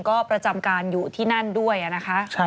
ก็ประจำการอยู่ที่นั่นด้วยนะคะ